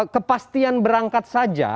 kepastian berangkat saja